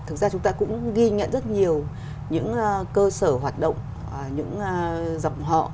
thực ra chúng ta cũng ghi nhận rất nhiều những cơ sở hoạt động những dòng họ